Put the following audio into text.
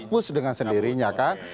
hapus dengan sendirinya kan